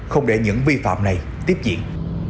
không để những vi phạm này tiếp diễn